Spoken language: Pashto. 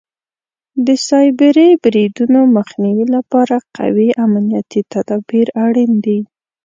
د سایبري بریدونو مخنیوي لپاره قوي امنیتي تدابیر اړین دي.